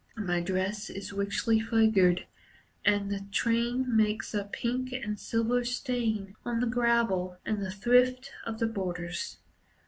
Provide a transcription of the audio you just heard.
My dress is richly figured, And the train Makes a pink and silver stain On the gravel, and the thrift Of the borders.